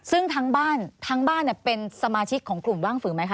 ซึ่งทั้งบ้านทั้งบ้านเป็นสมาชิกของกลุ่มว่างฝือไหมคะ